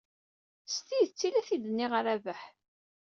S tidet ay la t-id-nniɣ a Rabaḥ.